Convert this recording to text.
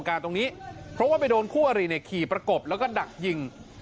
ทำเป็นชาวบ้านในโครงการเอื้ออทรสวรรค์นทรหลังสั่งไม่เอิบ